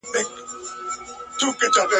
د ربابونو دور به بیا سي ..